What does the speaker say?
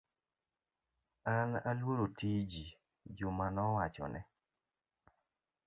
An aluoro tiji, Juma nowachone.